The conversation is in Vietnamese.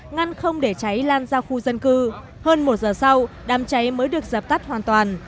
ngăn không để cháy lan ra khu dân cư hơn một giờ sau đám cháy mới được dập tắt hoàn toàn